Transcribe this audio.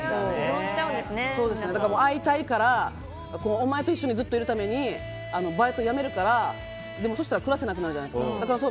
会いたいからお前と一緒にずっといるためにバイトを辞めるから、そしたら暮らせなくなるじゃないですか。